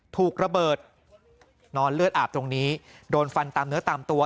ถูกระเบิดนอนเลือดอาบตรงนี้โดนฟันตามเนื้อตามตัว